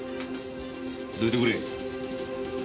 どいてくれ。